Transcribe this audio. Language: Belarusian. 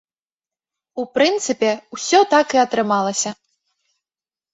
У прынцыпе, усё так і атрымалася.